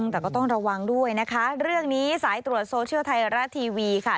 แต่ก็ต้องระวังด้วยนะคะเรื่องนี้สายตรวจโซเชียลไทยรัฐทีวีค่ะ